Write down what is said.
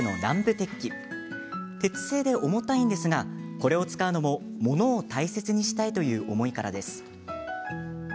鉄製で重たいんですがこれを使うのもものを大切にしたいという思いからです。